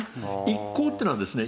「一向」っていうのはですね